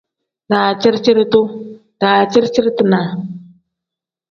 Daciri-ciri-duu pl: daciri-ciri-dinaa n.